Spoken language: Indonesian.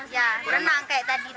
ya berenang kayak tadi tuh